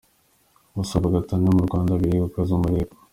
Gusaba gatanya mu Rwanda biri gukaza umurego.